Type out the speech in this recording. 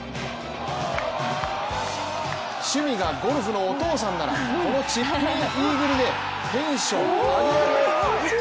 趣味がゴルフのお父さんならこのチップインイーグルでテンションアゲアゲ！